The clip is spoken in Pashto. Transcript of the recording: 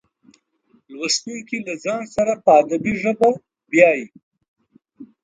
لوستونکي له ځان سره په ادبي ژبه بیایي.